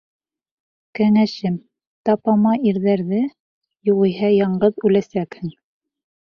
Кәңәшем: тапама ирҙәрҙе, юғиһә, яңғыҙ үләсәкһең.